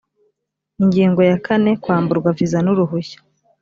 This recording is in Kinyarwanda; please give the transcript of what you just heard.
ingingo ya kane kwamburwa viza n uruhushya